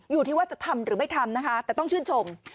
อยู่ที่ว่าจะทำหรือไม่ทำนะคะแต่ต้องชื่นชม